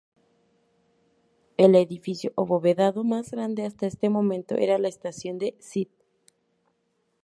El edificio abovedado más grande hasta ese momento era la Estación de St.